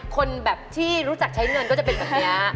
คนแบบที่รู้จักใช้เงินก็จะเป็นแบบนี้